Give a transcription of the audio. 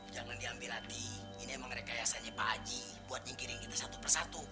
jangan diambil hati ini emang rekayasanya pak aji buat nyingkirin kita satu persatu